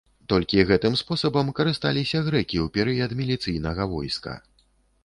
Толькі гэтым спосабам карысталіся грэкі ў перыяд міліцыйнага войска.